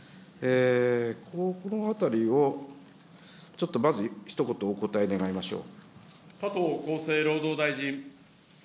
このあたりをちょっとまずひと言、お答え願いましょう。